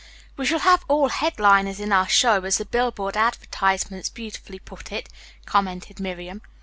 "We shall have all 'headliners in our show,' as the billboard advertisements beautifully put it," commented Miriam.